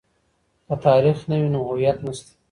که تاريخ نه وي نو هويت نسته.